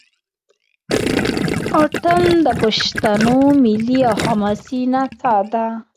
اټن د پښتنو ملي او حماسي نڅا ده.